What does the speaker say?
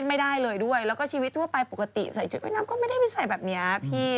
ไม่ได้เลยด้วยแล้วก็ชีวิตทั่วไปปกติใส่ชุดว่ายน้ำก็ไม่ได้ไม่ใส่แบบนี้พี่